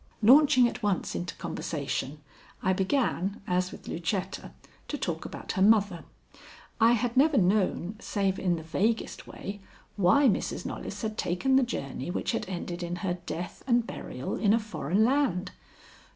Launching at once into conversation, I began, as with Lucetta, to talk about her mother. I had never known, save in the vaguest way, why Mrs. Knollys had taken the journey which had ended in her death and burial in a foreign land.